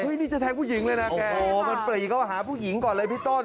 นี่จะแทงผู้หญิงเลยนะแกโอ้โหมันปรีเข้ามาหาผู้หญิงก่อนเลยพี่ต้น